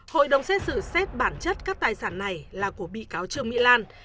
hội đồng xét xử xét bản chất các tài sản này là của bị cáo trương mỹ lan